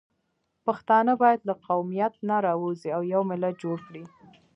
پښتانه باید له قومیت نه راووځي او یو ملت جوړ کړي